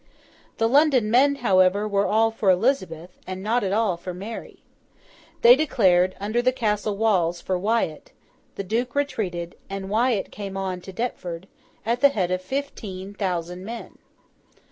The London men, however, were all for Elizabeth, and not at all for Mary. They declared, under the castle walls, for Wyat; the Duke retreated; and Wyat came on to Deptford, at the head of fifteen thousand men.